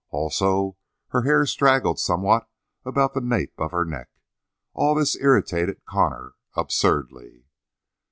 Also her hair straggled somewhat about the nape of her neck. All this irritated Connor absurdly.